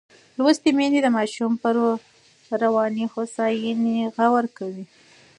لوستې میندې د ماشوم پر رواني هوساینې غور کوي.